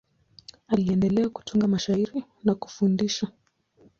Aliendelea kutunga mashairi na kufundisha.